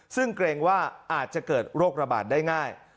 ซึ่งเกรงว่าอาจจะเกิดโรคระบาดได้ง่าย